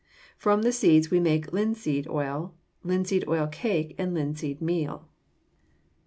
From the seeds we make linseed oil, linseed oil cake, and linseed meal.